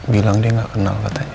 bilang dia nggak kenal katanya